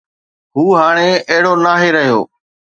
هو هاڻي اهڙو ناهي رهيو.